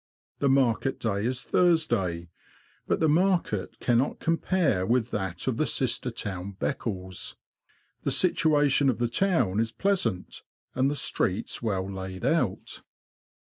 The market day is Thursday ; but the market cannot compare with that of the sister town, Beccles. The situation of the town is pleasant, and the streets well laid out.